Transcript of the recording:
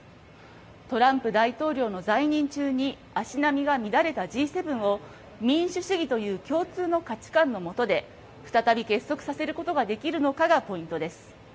トランプ大統領の在任中に足並みが乱れたＧ７を民主主義という共通の価値観の下で、再び結束させることができるのかがポイントです。